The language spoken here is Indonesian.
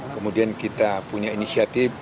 kemudian kita punya inisiatif